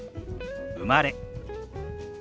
「生まれ」。